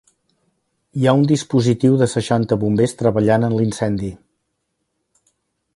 Hi ha un dispositiu de seixanta bombers treballant en l’incendi.